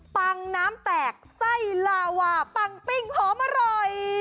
ปังน้ำแตกไส้ลาวาปังปิ้งหอมอร่อย